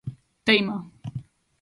Teima.